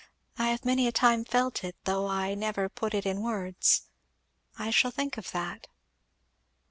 I have many a time felt it, though I never put it in words. I shall think of that."